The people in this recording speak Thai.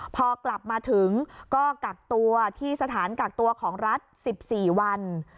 พอกลับมาถึงก็กักตัวที่สถานกักตัวของรัฐ๑๔วัน